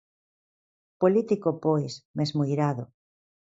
Político pois, mesmo irado.